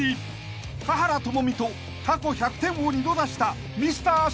［華原朋美と過去１００点を２度出した］